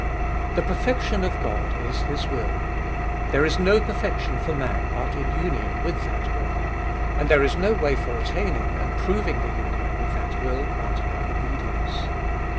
The perfection of God is His will. There is no perfection for man but in union with that will. And there is no way for attaining and proving the union with that will but by obedience.